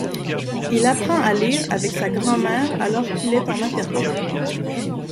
Il apprend à lire avec sa grand-mère alors qu'il est en maternelle.